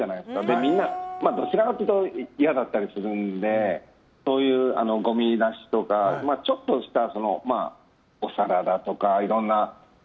みんなどちらかというと嫌だったりするのでごみ出しとか、ちょっとしたお皿だとかいろんな。